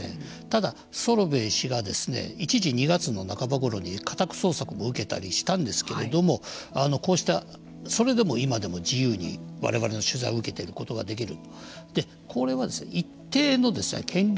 ただ、ソロベイ氏が一時、２月の半ばごろに家宅捜索を受けたりもしたんですけれどもそれでも今でも自由にわれわれの取材を受けることができる。